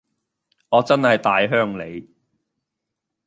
我真係大鄉里